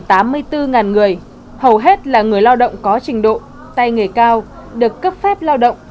với hai mươi bốn người hầu hết là người lao động có trình độ tay nghề cao được cấp phép lao động